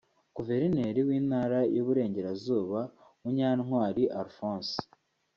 Guverineri w’Intara y’uburengerazuba Munyantwari Alphonse